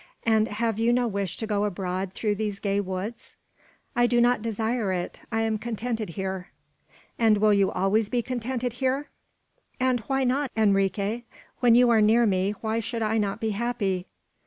"And have you no wish to go abroad through these gay woods?" "I do not desire it; I am contented here." "And will you always be contented here?" "And why not, Enrique? When you are near me, why should I not be happy?"